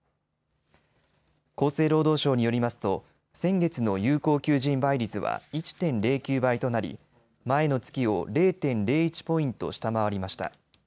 厚生労働省によりますと先月の有効求人倍率は１．０９倍となり前の月を０．０１ポイント下回りました。